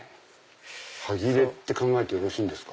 端切れと考えてよろしいんですか？